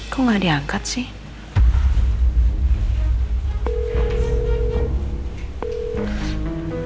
kok nggak diangkat sih